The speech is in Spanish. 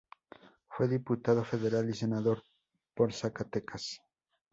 Fue Diputado Federal y Senador por Zacatecas.